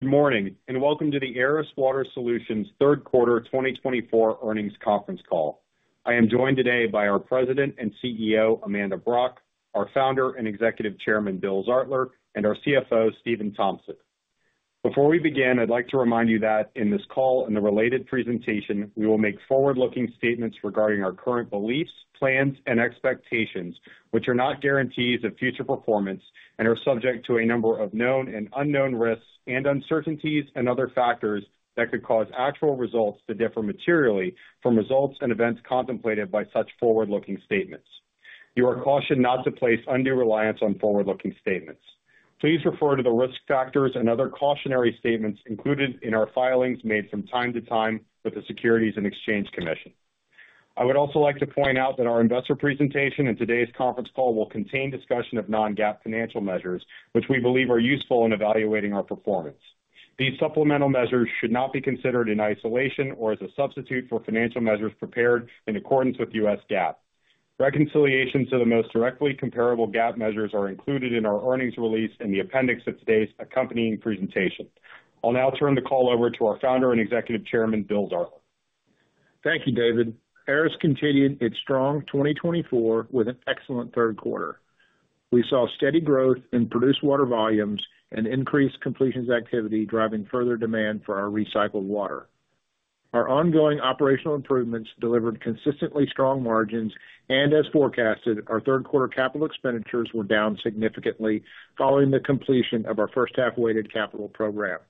Good morning and welcome to the Aris Water Solutions Q3 2024 earnings conference call. I am joined today by our President and CEO, Amanda Brock, our Founder and Executive Chairman, Bill Zartler, and our CFO, Stephan Tompsett. Before we begin, I'd like to remind you that in this call and the related presentation, we will make forward-looking statements regarding our current beliefs, plans, and expectations, which are not guarantees of future performance and are subject to a number of known and unknown risks and uncertainties and other factors that could cause actual results to differ materially from results and events contemplated by such forward-looking statements. You are cautioned not to place undue reliance on forward-looking statements. Please refer to the risk factors and other cautionary statements included in our filings made from time to time with the Securities and Exchange Commission. I would also like to point out that our investor presentation and today's conference call will contain discussion of non-GAAP financial measures, which we believe are useful in evaluating our performance. These supplemental measures should not be considered in isolation or as a substitute for financial measures prepared in accordance with U.S. GAAP. Reconciliations to the most directly comparable GAAP measures are included in our earnings release and the appendix that accompanies the presentation. I'll now turn the call over to our Founder and Executive Chairman, Bill Zartler. Thank you, David. Aris continued its strong 2024 with an excellent third quarter. We saw steady growth in produced water volumes and increased completions activity, driving further demand for our recycled water. Our ongoing operational improvements delivered consistently strong margins, and as forecasted, our third quarter capital expenditures were down significantly following the completion of our first-half-weighted capital program.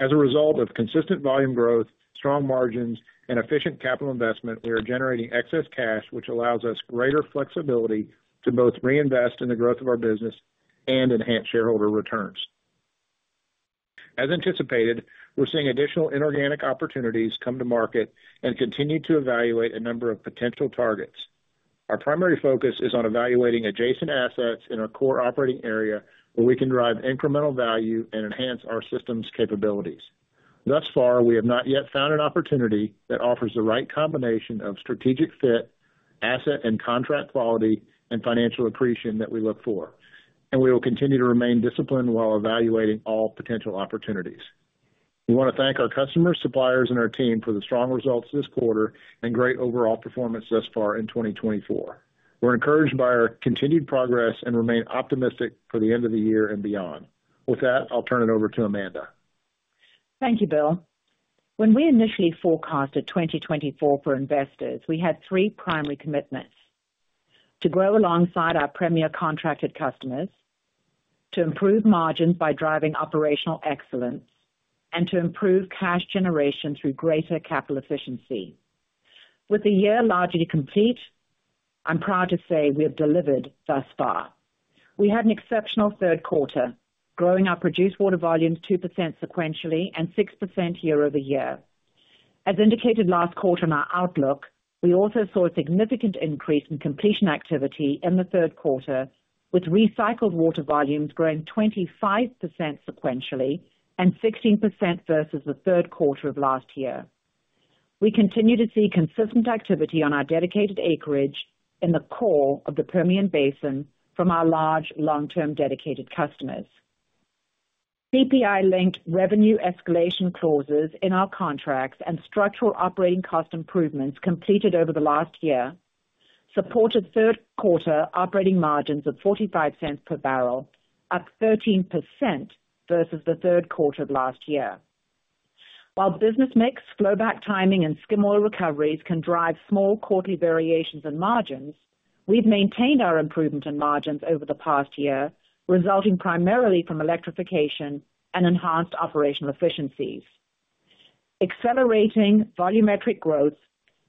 As a result of consistent volume growth, strong margins, and efficient capital investment, we are generating excess cash, which allows us greater flexibility to both reinvest in the growth of our business and enhance shareholder returns. As anticipated, we're seeing additional inorganic opportunities come to market and continue to evaluate a number of potential targets. Our primary focus is on evaluating adjacent assets in our core operating area where we can drive incremental value and enhance our system's capabilities. Thus far, we have not yet found an opportunity that offers the right combination of strategic fit, asset and contract quality, and financial accretion that we look for, and we will continue to remain disciplined while evaluating all potential opportunities. We want to thank our customers, suppliers, and our team for the strong results this quarter and great overall performance thus far in 2024. We're encouraged by our continued progress and remain optimistic for the end of the year and beyond. With that, I'll turn it over to Amanda. Thank you, Bill. When we initially forecasted 2024 for investors, we had three primary commitments: to grow alongside our premier contracted customers, to improve margins by driving operational excellence, and to improve cash generation through greater capital efficiency. With the year largely complete, I'm proud to say we have delivered thus far. We had an exceptional third quarter, growing our produced water volumes 2% sequentially and 6% year over year. As indicated last quarter in our outlook, we also saw a significant increase in completion activity in the third quarter, with recycled water volumes growing 25% sequentially and 16% versus the third quarter of last year. We continue to see consistent activity on our dedicated acreage in the core of the Permian Basin from our large, long-term dedicated customers. CPI-linked revenue escalation clauses in our contracts and structural operating cost improvements completed over the last year supported Q3 operating margins of $0.45 per barrel, up 13% versus the third quarter of last year. While business mix flowback timing and skim oil recoveries can drive small quarterly variations in margins, we've maintained our improvement in margins over the past year, resulting primarily from electrification and enhanced operational efficiencies. Accelerating volumetric growth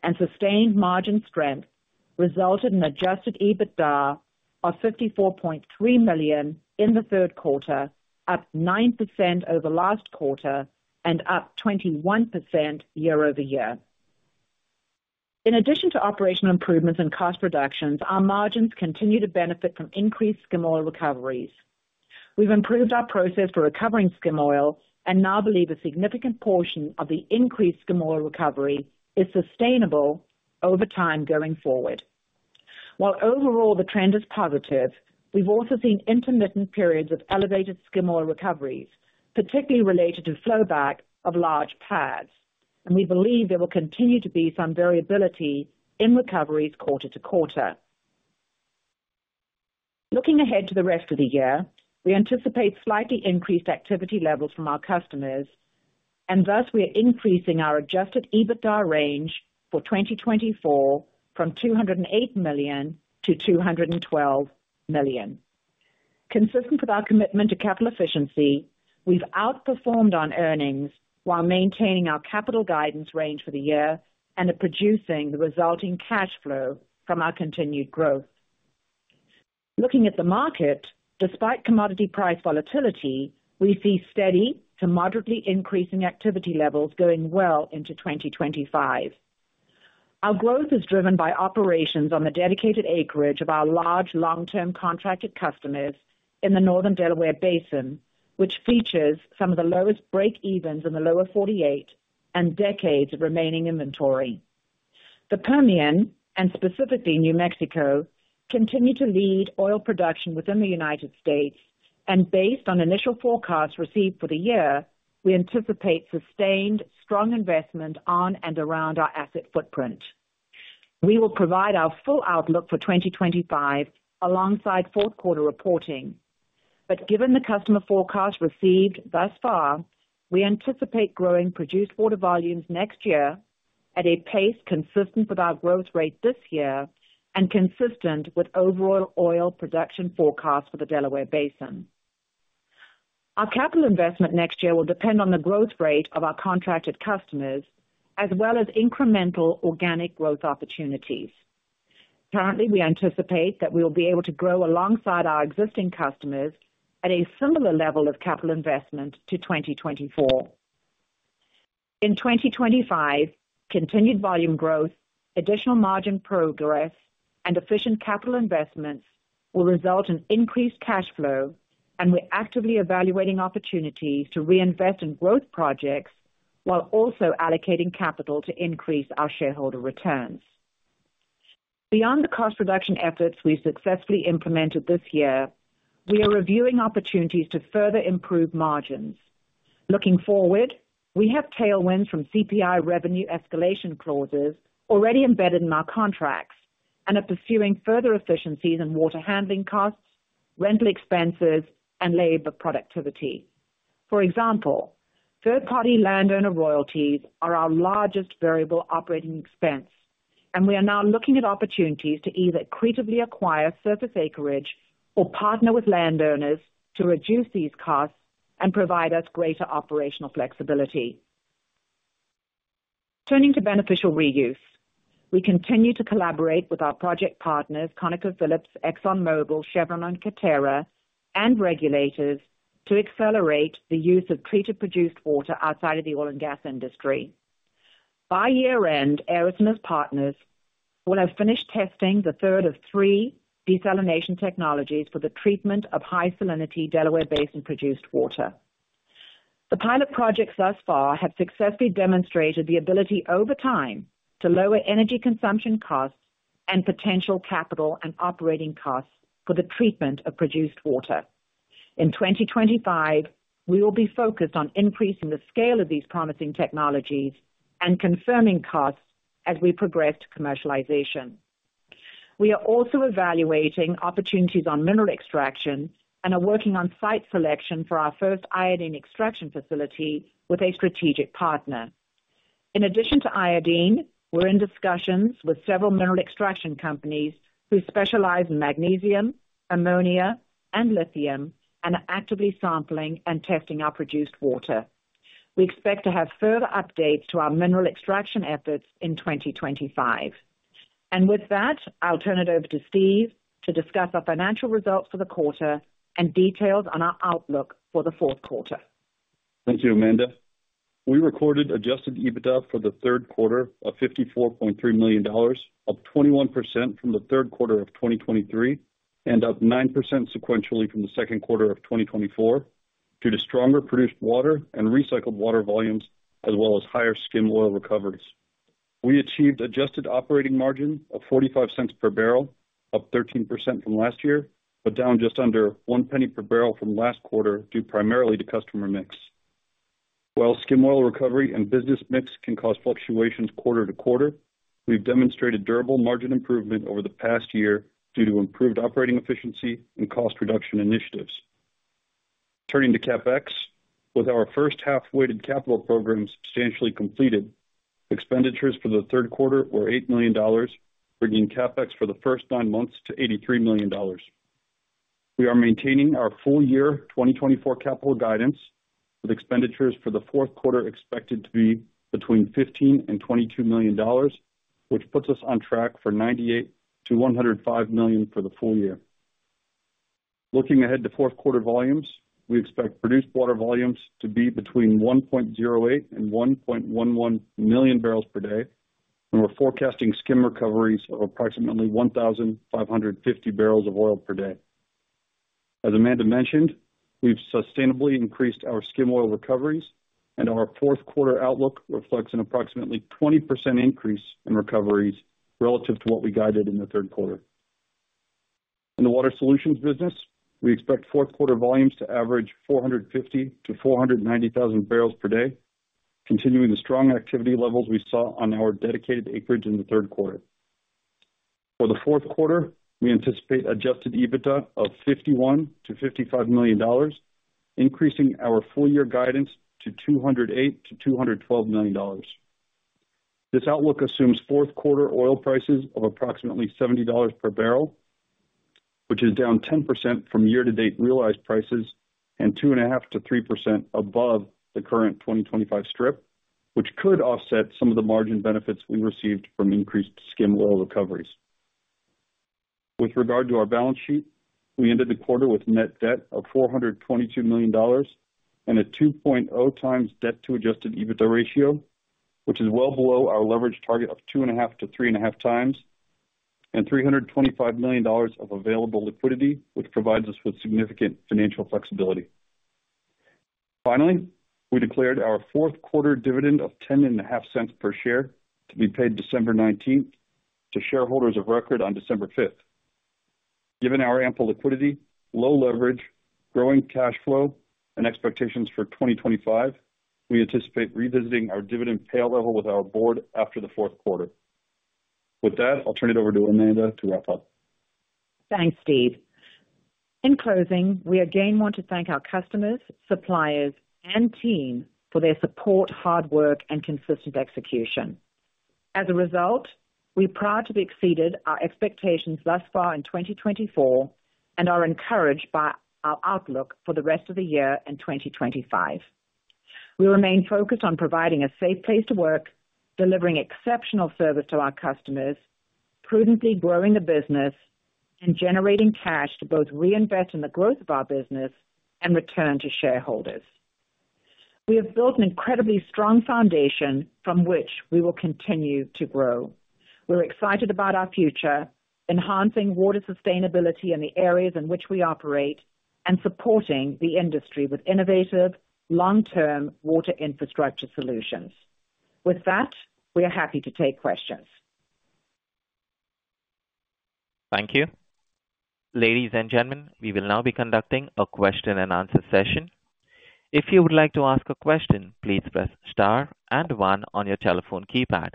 and sustained margin strength resulted in adjusted EBITDA of $54.3 million in the third quarter, up 9% over last quarter and up 21% year over year. In addition to operational improvements and cost reductions, our margins continue to benefit from increased skim oil recoveries. We've improved our process for recovering skim oil and now believe a significant portion of the increased skim oil recovery is sustainable over time going forward. While overall the trend is positive, we've also seen intermittent periods of elevated skim oil recoveries, particularly related to flowback of large pads, and we believe there will continue to be some variability in recoveries quarter to quarter. Looking ahead to the rest of the year, we anticipate slightly increased activity levels from our customers, and thus we are increasing our Adjusted EBITDA range for 2024 from $208 million-$212 million. Consistent with our commitment to capital efficiency, we've outperformed our earnings while maintaining our capital guidance range for the year and producing the resulting cash flow from our continued growth. Looking at the market, despite commodity price volatility, we see steady to moderately increasing activity levels going well into 2025. Our growth is driven by operations on the dedicated acreage of our large long-term contracted customers in the Northern Delaware Basin, which features some of the lowest break-evens in the Lower 48 and decades of remaining inventory. The Permian, and specifically New Mexico, continue to lead oil production within the United States, and based on initial forecasts received for the year, we anticipate sustained strong investment on and around our asset footprint. We will provide our full outlook for 2025 alongside fourth quarter reporting, but given the customer forecast received thus far, we anticipate growing produced water volumes next year at a pace consistent with our growth rate this year and consistent with overall oil production forecasts for the Delaware Basin. Our capital investment next year will depend on the growth rate of our contracted customers as well as incremental organic growth opportunities. Currently, we anticipate that we will be able to grow alongside our existing customers at a similar level of capital investment to 2024. In 2025, continued volume growth, additional margin progress, and efficient capital investments will result in increased cash flow, and we're actively evaluating opportunities to reinvest in growth projects while also allocating capital to increase our shareholder returns. Beyond the cost reduction efforts we've successfully implemented this year, we are reviewing opportunities to further improve margins. Looking forward, we have tailwinds from CPI revenue escalation clauses already embedded in our contracts and are pursuing further efficiencies in water handling costs, rental expenses, and labor productivity. For example, third-party landowner royalties are our largest variable operating expense, and we are now looking at opportunities to either accretively acquire surface acreage or partner with landowners to reduce these costs and provide us greater operational flexibility. Turning to beneficial reuse, we continue to collaborate with our project partners, ConocoPhillips, ExxonMobil, Chevron, and Coterra, and regulators to accelerate the use of treated produced water outside of the oil and gas industry. By year-end, Aris and its partners will have finished testing the third of three desalination technologies for the treatment of high salinity Delaware Basin produced water. The pilot projects thus far have successfully demonstrated the ability over time to lower energy consumption costs and potential capital and operating costs for the treatment of produced water. In 2025, we will be focused on increasing the scale of these promising technologies and confirming costs as we progress to commercialization. We are also evaluating opportunities on mineral extraction and are working on site selection for our first iodine extraction facility with a strategic partner. In addition to iodine, we're in discussions with several mineral extraction companies who specialize in magnesium, ammonia, and lithium, and are actively sampling and testing our produced water. We expect to have further updates to our mineral extraction efforts in 2025. And with that, I'll turn it over to Steph to discuss our financial results for the quarter and details on our outlook for the Q4. Thank you, Amanda. We recorded Adjusted EBITDA for third quarter of $54.3 million, up 21% from third quarter of 2023 and up 9% sequentially from 2nd quarter of 2024 due to stronger produced water and recycled water volumes, as well as higher skim oil recoveries. We achieved adjusted operating margin of $0.45 per barrel, up 13% from last year, but down just under one penny per barrel from last quarter due primarily to customer mix. While skim oil recovery and business mix can cause fluctuations quarter to quarter, we've demonstrated durable margin improvement over the past year due to improved operating efficiency and cost reduction initiatives. Turning to CapEx, with our first half weighted capital program substantially completed, expenditures for third quarter were $8 million, bringing CapEx for the first nine months to $83 million. We are maintaining our full year 2024 capital guidance, with expenditures for fourth quarter expected to be between $15-$22 million, which puts us on track for $98-$105 million for the full year. Looking ahead to volumes, we expect produced water volumes to be between 1.08-1.11 million barrels per day, and we're forecasting skim recoveries of approximately 1,550 barrels of oil per day. As Amanda mentioned, we've sustainably increased our skim oil recoveries, and our fourth quarter outlook reflects an approximately 20% increase in recoveries relative to what we guided in the third quarter. In the water solutions business, we expect fourth quarter volumes to average 450,000-490,000 barrels per day, continuing the strong activity levels we saw on our dedicated acreage in the third quarter. For the fourth quarter, we anticipate Adjusted EBITDA of $51-$55 million, increasing our full year guidance to $208-$212 million. This outlook assumes fourth quarter oil prices of approximately $70 per barrel, which is down 10% from year-to-date realized prices and 2.5%-3% above the current 2025 strip, which could offset some of the margin benefits we received from increased skim oil recoveries. With regard to our balance sheet, we ended the quarter with net debt of $422 million and a 2.0 times debt-to-Adjusted EBITDA ratio, which is well below our leveraged target of 2.5-3.5 times, and $325 million of available liquidity, which provides us with significant financial flexibility. Finally, we declared our fourth quarter dividend of $0.10 per share to be paid December 19 to shareholders of record on December 5. Given our ample liquidity, low leverage, growing cash flow, and expectations for 2025, we anticipate revisiting our dividend payout level with our board after fourth quarter. With that, I'll turn it over to Amanda to wrap up. Thanks, Steph. In closing, we again want to thank our customers, suppliers, and team for their support, hard work, and consistent execution. As a result, we're proud to have exceeded our expectations thus far in 2024 and are encouraged by our outlook for the rest of the year in 2025. We remain focused on providing a safe place to work, delivering exceptional service to our customers, prudently growing the business, and generating cash to both reinvest in the growth of our business and return to shareholders. We have built an incredibly strong foundation from which we will continue to grow. We're excited about our future, enhancing water sustainability in the areas in which we operate, and supporting the industry with innovative, long-term water infrastructure solutions. With that, we are happy to take questions. Thank you. Ladies and gentlemen, we will now be conducting a question-and-answer session. If you would like to ask a question, please press star and one on your telephone keypad.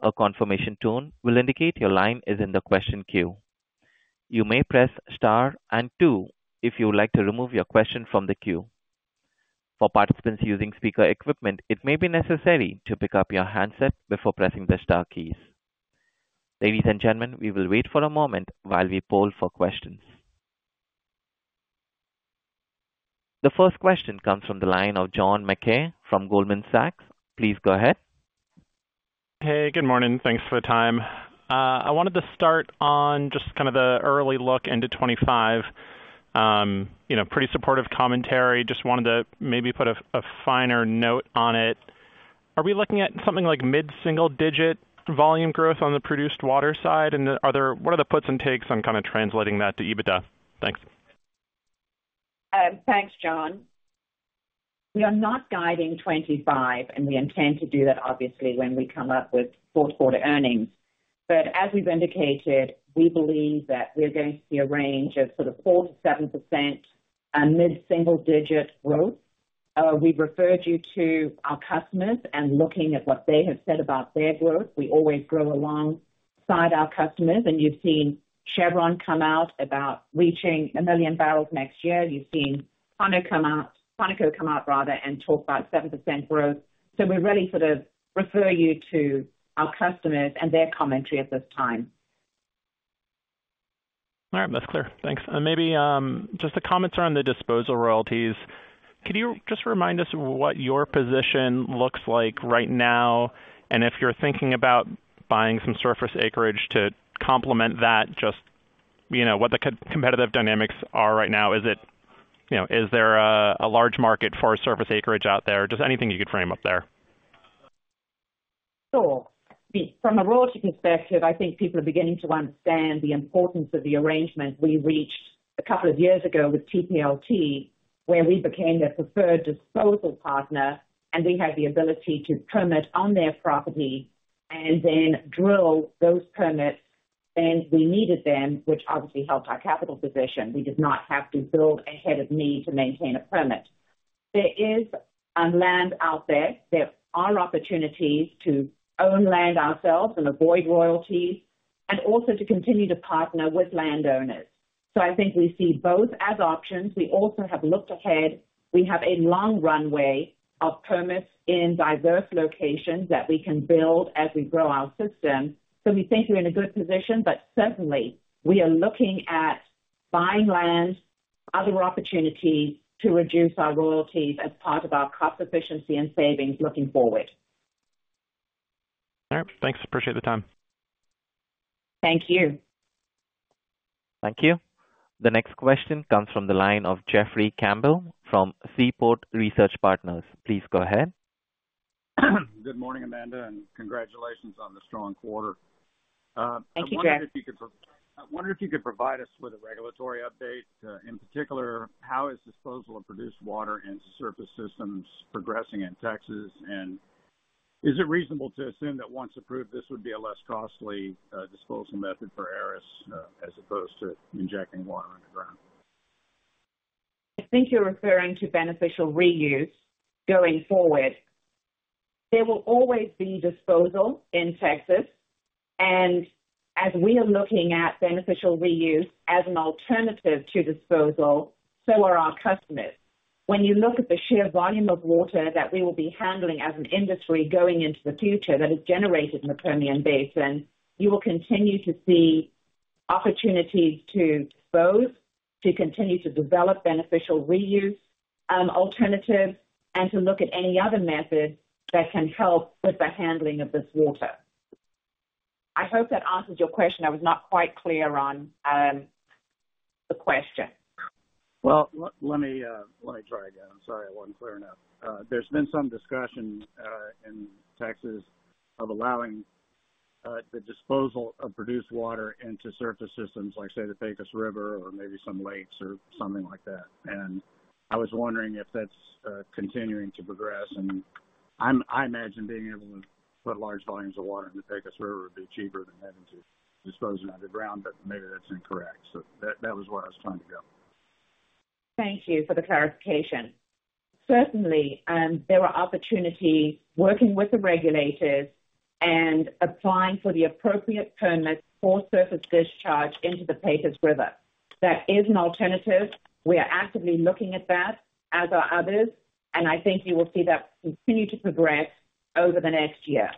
A confirmation tone will indicate your line is in the question queue. You may press star and two if you would like to remove your question from the queue. For participants using speaker equipment, it may be necessary to pick up your handset before pressing the star keys. Ladies and gentlemen, we will wait for a moment while we poll for questions. The first question comes from the line of John Mackay from Goldman Sachs. Please go ahead. Hey, good morning. Thanks for the time. I wanted to start on just kind of the early look into 2025. Pretty supportive commentary. Just wanted to maybe put a finer note on it. Are we looking at something like mid-single-digit volume growth on the produced water side, and what are the puts and takes on kind of translating that to EBITDA? Thanks. Thanks, John. We are not guiding 2025, and we intend to do that, obviously, when we come up with fourth quarter earnings. But as we've indicated, we believe that we're going to see a range of sort of 4%-7% mid-single-digit growth. We've referred you to our customers and looking at what they have said about their growth, we always grow alongside our customers. And you've seen Chevron come out about reaching a million barrels next year. You've seen Conoco come out and talk about 7% growth. So we really sort of refer you to our customers and their commentary at this time. All right, that's clear. Thanks. And maybe just the comments around the disposal royalties. Could you just remind us what your position looks like right now, and if you're thinking about buying some surface acreage to complement that, just what the competitive dynamics are right now? Is there a large market for surface acreage out there? Just anything you could frame up there. Sure. From a royalty perspective, I think people are beginning to understand the importance of the arrangement we reached a couple of years ago with TPLT, where we became their preferred disposal partner, and they had the ability to permit on their property and then drill those permits when we needed them, which obviously helped our capital position. We did not have to build ahead of need to maintain a permit. There is land out there. There are opportunities to own land ourselves and avoid royalties, and also to continue to partner with landowners. So I think we see both as options. We also have looked ahead. We have a long runway of permits in diverse locations that we can build as we grow our system. So we think we're in a good position, but certainly we are looking at buying land, other opportunities to reduce our royalties as part of our cost efficiency and savings looking forward. All right. Thanks. Appreciate the time. Thank you. Thank you. The next question comes from the line of Jeffrey Campbell from Seaport Research Partners. Please go ahead. Good morning, Amanda, and congratulations on the strong quarter. Thank you, Jeff. I wonder if you could provide us with a regulatory update. In particular, how is disposal of produced water and surface systems progressing in Texas? And is it reasonable to assume that once approved, this would be a less costly disposal method for Aris as opposed to injecting water underground? I think you're referring to beneficial reuse going forward. There will always be disposal in Texas, and as we are looking at beneficial reuse as an alternative to disposal, so are our customers. When you look at the sheer volume of water that we will be handling as an industry going into the future that is generated in the Permian Basin, you will continue to see opportunities to dispose, to continue to develop beneficial reuse alternatives, and to look at any other methods that can help with the handling of this water. I hope that answers your question. I was not quite clear on the question. Let me try again. I'm sorry I wasn't clear enough. There's been some discussion in Texas of allowing the disposal of produced water into surface systems like, say, the Pecos River or maybe some lakes or something like that. I was wondering if that's continuing to progress. I imagine being able to put large volumes of water in the Pecos River would be cheaper than having to dispose it underground, but maybe that's incorrect. That was where I was trying to go. Thank you for the clarification. Certainly, there are opportunities working with the regulators and applying for the appropriate permit for surface discharge into the Pecos River. That is an alternative. We are actively looking at that, as are others, and I think you will see that continue to progress over the next year.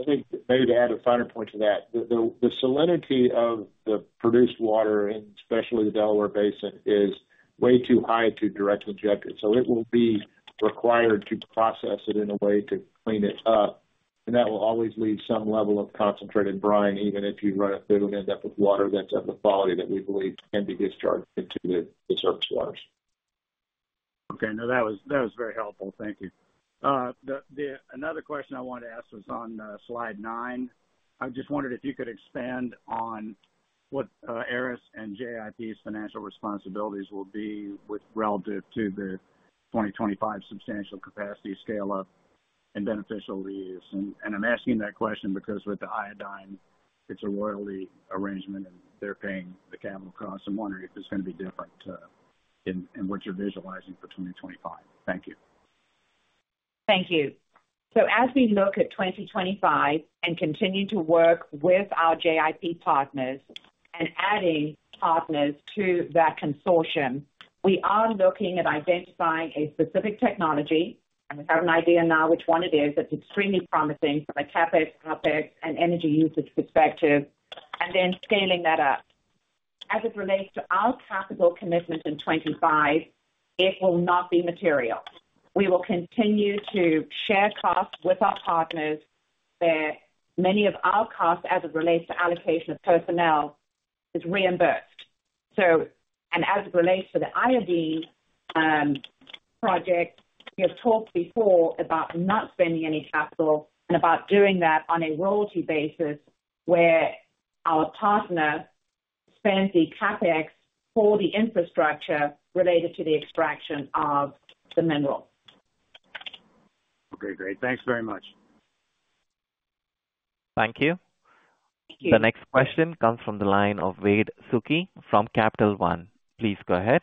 I think maybe to add a finer point to that, the salinity of the produced water, and especially the Delaware Basin, is way too high to directly inject it. So it will be required to process it in a way to clean it up, and that will always leave some level of concentrated brine, even if you run it through and end up with water that's of the quality that we believe can be discharged into the surface waters. Okay. No, that was very helpful. Thank you. Another question I wanted to ask was on slide 9. I just wondered if you could expand on what Aris and JIP's financial responsibilities will be relative to the 2025 substantial capacity scale-up and beneficial reuse. And I'm asking that question because with the iodine, it's a royalty arrangement, and they're paying the capital costs. I'm wondering if it's going to be different in what you're visualizing for 2025. Thank you. Thank you. So as we look at 2025 and continue to work with our JIP partners and adding partners to that consortium, we are looking at identifying a specific technology. We have an idea now which one it is that's extremely promising from a CapEx, OpEx, and energy usage perspective, and then scaling that up. As it relates to our capital commitments in 2025, it will not be material. We will continue to share costs with our partners where many of our costs, as it relates to allocation of personnel, is reimbursed. And as it relates to the iodine project, we have talked before about not spending any capital and about doing that on a royalty basis where our partner spends the CapEx for the infrastructure related to the extraction of the mineral. Okay. Great. Thanks very much. Thank you. Thank you. The next question comes from the line of Wade Suki from Capital One. Please go ahead.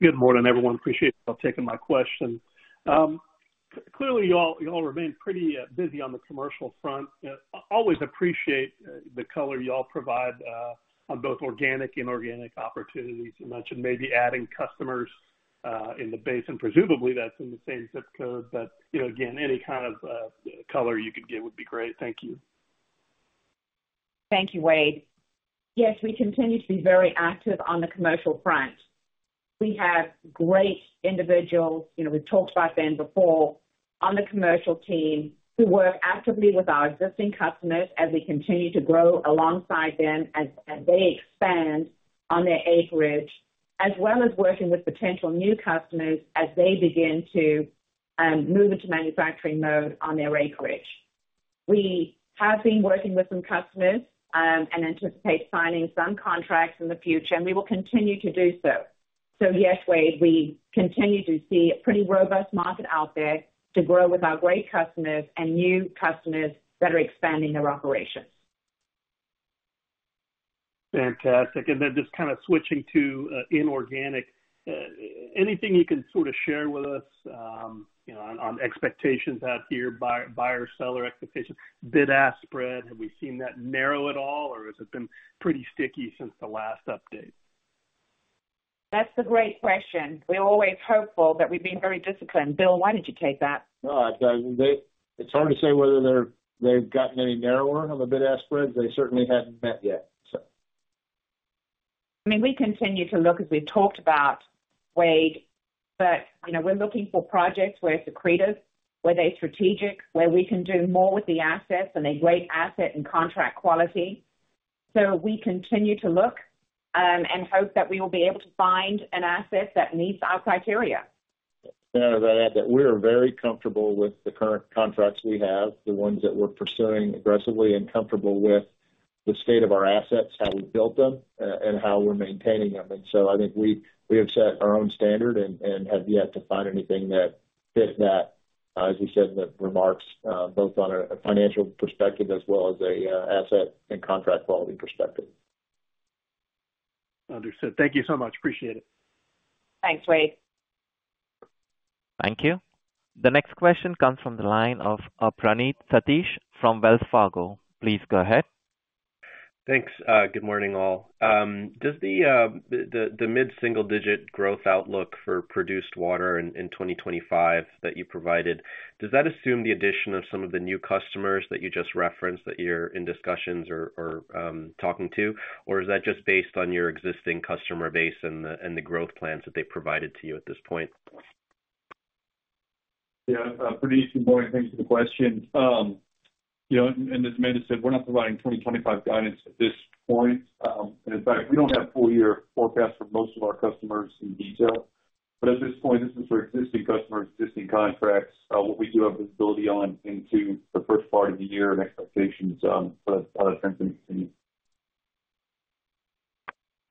Good morning, everyone. Appreciate you all taking my question. Clearly, you all remain pretty busy on the commercial front. Always appreciate the color you all provide on both organic and inorganic opportunities. You mentioned maybe adding customers in the basin. Presumably, that's in the same zip code. But again, any kind of color you could give would be great. Thank you. Thank you, Wade. Yes, we continue to be very active on the commercial front. We have great individuals. We've talked about them before on the commercial team who work actively with our existing customers as we continue to grow alongside them as they expand on their acreage, as well as working with potential new customers as they begin to move into manufacturing mode on their acreage. We have been working with some customers and anticipate signing some contracts in the future, and we will continue to do so. Yes, Wade, we continue to see a pretty robust market out there to grow with our great customers and new customers that are expanding their operations. Fantastic. And then just kind of switching to inorganic, anything you can sort of share with us on expectations out here, buyer-seller expectations, bid-ask spread? Have we seen that narrow at all, or has it been pretty sticky since the last update? That's a great question. We're always hopeful that we've been very disciplined. Bill, why did you take that? It's hard to say whether they've gotten any narrower on the bid-ask spreads. They certainly haven't met yet, so. I mean, we continue to look, as we've talked about, Wade, but we're looking for projects where it's accretive, where they're strategic, where we can do more with the assets and a great asset and contract quality. So we continue to look and hope that we will be able to find an asset that meets our criteria. I'd add that we are very comfortable with the current contracts we have, the ones that we're pursuing aggressively and comfortable with the state of our assets, how we built them, and how we're maintaining them, and so I think we have set our own standard and have yet to find anything that fits that, as you said in the remarks, both on a financial perspective as well as an asset and contract quality perspective. Understood. Thank you so much. Appreciate it. Thanks, Wade. Thank you. The next question comes from the line of Praneeth Satish from Wells Fargo. Please go ahead. Thanks. Good morning, all. Does the mid-single-digit growth outlook for produced water in 2025 that you provided, does that assume the addition of some of the new customers that you just referenced that you're in discussions or talking to, or is that just based on your existing customer base and the growth plans that they provided to you at this point? Yeah. Pretty good morning. Thanks for the question. And as Amanda said, we're not providing 2025 guidance at this point. And in fact, we don't have full-year forecasts for most of our customers in detail. But at this point, this is for existing customers, existing contracts. What we do have visibility on into the first part of the year and expectations for, that's kind of continuing.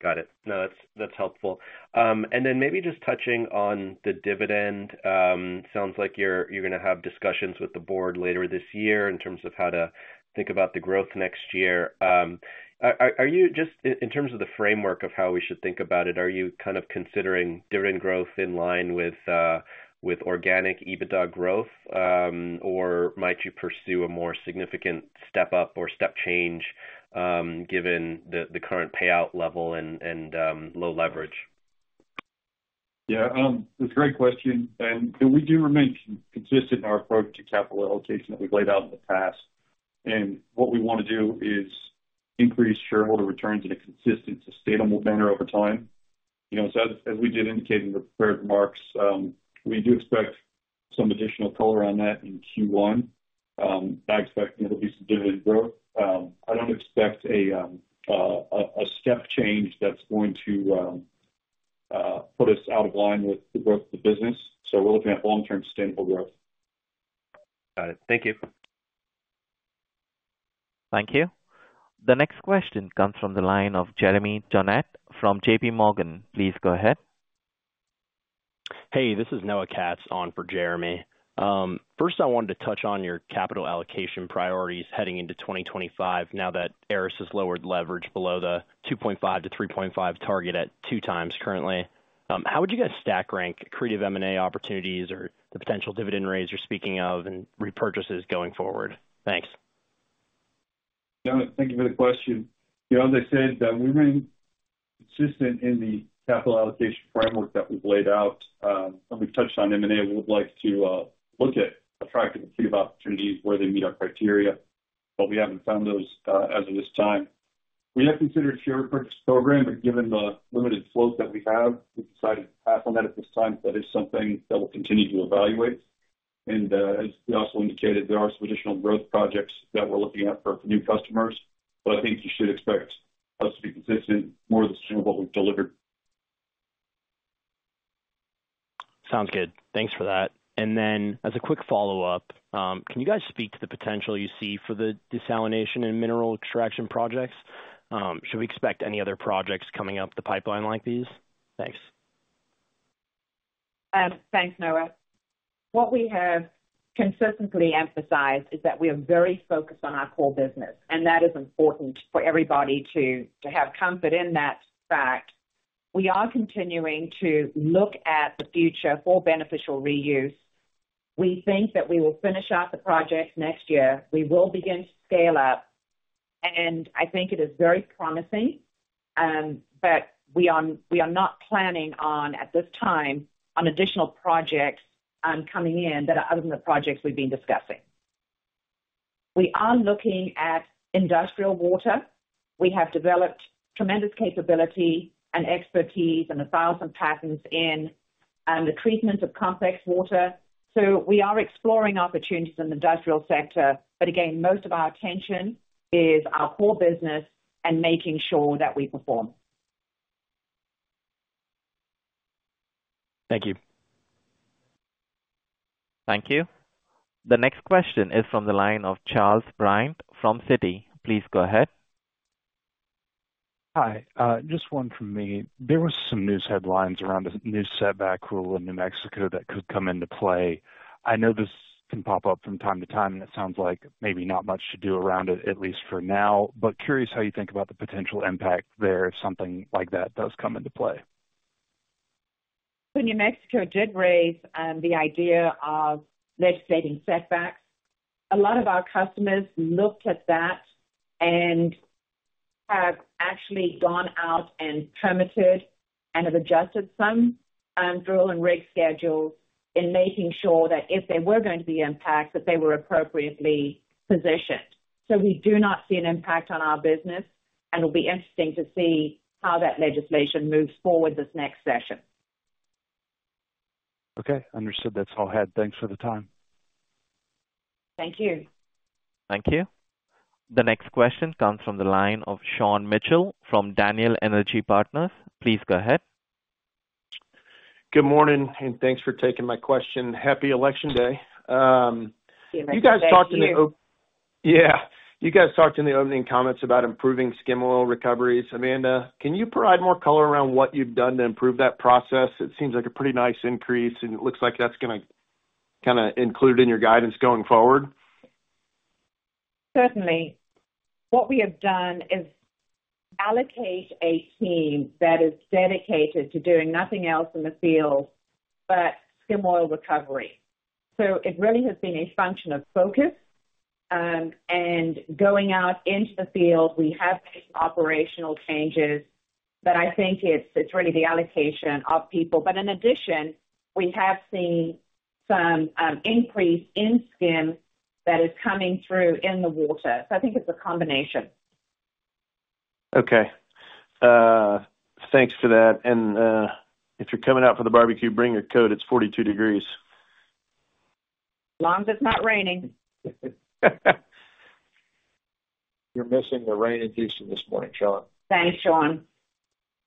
Got it. No, that's helpful. And then maybe just touching on the dividend, sounds like you're going to have discussions with the board later this year in terms of how to think about the growth next year. Just in terms of the framework of how we should think about it, are you kind of considering dividend growth in line with organic EBITDA growth, or might you pursue a more significant step-up or step-change given the current payout level and low leverage? Yeah. It's a great question, and we do remain consistent in our approach to capital allocation that we've laid out in the past, and what we want to do is increase shareholder returns in a consistent, sustainable manner over time, so as we did indicate in the prepared remarks, we do expect some additional color on that in Q1. I expect there'll be some dividend growth. I don't expect a step-change that's going to put us out of line with the growth of the business, so we're looking at long-term sustainable growth. Got it. Thank you. Thank you. The next question comes from the line of Jeremy Tonet from J.P. Morgan. Please go ahead. Hey, this is Noah Katz on for Jeremy. First, I wanted to touch on your capital allocation priorities heading into 2025 now that Aris has lowered leverage below the 2.5-3.5 target at two times currently. How would you guys stack-rank accretive M&A opportunities or the potential dividend raise you're speaking of and repurchases going forward? Thanks. Thank you for the question. As I said, we remain consistent in the capital allocation framework that we've laid out, and we've touched on M&A. We'd like to look at attracting a few opportunities where they meet our criteria, but we haven't found those as of this time. We have considered share repurchase program, but given the limited float that we have, we've decided to pass on that at this time. That is something that we'll continue to evaluate, and as we also indicated, there are some additional growth projects that we're looking at for new customers, but I think you should expect us to be consistent more or less with what we've delivered. Sounds good. Thanks for that and then as a quick follow-up, can you guys speak to the potential you see for the desalination and mineral extraction projects? Should we expect any other projects coming up the pipeline like these? Thanks. Thanks, Noah. What we have consistently emphasized is that we are very focused on our core business, and that is important for everybody to have comfort in that fact. We are continuing to look at the future for beneficial reuse. We think that we will finish out the projects next year. We will begin to scale up, and I think it is very promising, but we are not planning on, at this time, additional projects coming in that are other than the projects we've been discussing. We are looking at industrial water. We have developed tremendous capability and expertise and 1,000 patents in the treatment of complex water. So we are exploring opportunities in the industrial sector. But again, most of our attention is our core business and making sure that we perform. Thank you. Thank you. The next question is from the line of Charles Bryant from Citi. Please go ahead. Hi. Just one from me. There were some news headlines around a new setback rule in New Mexico that could come into play. I know this can pop up from time to time, and it sounds like maybe not much to do around it, at least for now, but curious how you think about the potential impact there if something like that does come into play. New Mexico did raise the idea of legislating setbacks. A lot of our customers looked at that and have actually gone out and permitted and have adjusted some drill and rig schedules in making sure that if there were going to be impacts, that they were appropriately positioned. So we do not see an impact on our business, and it'll be interesting to see how that legislation moves forward this next session. Okay. Understood. That's all I had. Thanks for the time. Thank you. Thank you. The next question comes from the line of Sean Mitchell from Daniel Energy Partners. Please go ahead. Good morning, and thanks for taking my question. Happy election day. You guys talked in the. Thank you. Yeah. You guys talked in the opening comments about improving skim oil recoveries. Amanda, can you provide more color around what you've done to improve that process? It seems like a pretty nice increase, and it looks like that's going to kind of include it in your guidance going forward. Certainly. What we have done is allocate a team that is dedicated to doing nothing else in the field but skim oil recovery. So it really has been a function of focus and going out into the field. We have operational changes, but I think it's really the allocation of people. But in addition, we have seen some increase in skim that is coming through in the water. So I think it's a combination. Okay. Thanks for that. And if you're coming out for the barbecue, bring your coat. It's 42 degrees. long as it's not raining. You're missing the rain in Houston this morning, Sean. Thanks, Sean.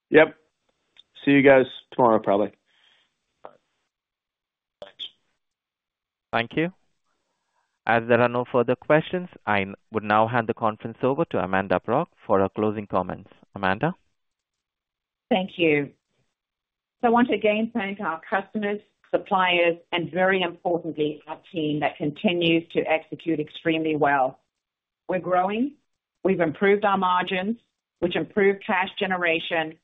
Yep. See you guys tomorrow, probably. Thanks. Thank you. As there are no further questions, I would now hand the conference over to Amanda Brock for her closing comments. Amanda? Thank you, so I want to again thank our customers, suppliers, and very importantly, our team that continues to execute extremely well. We're growing. We've improved our margins, which improved cash generation.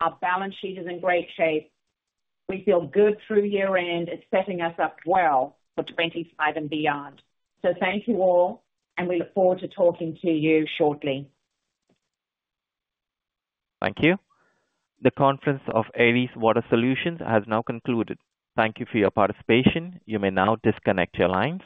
Our balance sheet is in great shape. We feel good through year-end. It's setting us up well for 2025 and beyond, so thank you all, and we look forward to talking to you shortly. Thank you. The conference of Aris Water Solutions has now concluded. Thank you for your participation. You may now disconnect your lines.